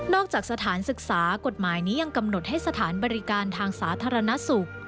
จากสถานศึกษากฎหมายนี้ยังกำหนดให้สถานบริการทางสาธารณสุข